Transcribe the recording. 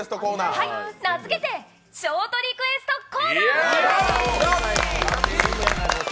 名付けてショートリクエストコーナー！